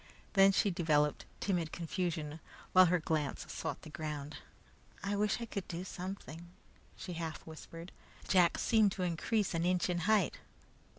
Then she developed timid confusion, while her glance sought the ground. "I wish I could do something," she half whispered. Jack seemed to increase an inch in height.